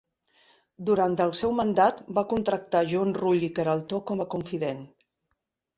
Durant el seu mandat va contractar Joan Rull i Queraltó com a confident.